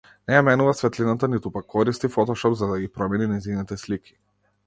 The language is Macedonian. Не ја менува светлината, ниту пак користи фотошоп за да ги промени нејзините слики.